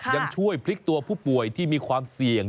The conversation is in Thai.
ยังช่วยพลิกตัวผู้ป่วยที่มีความเสี่ยง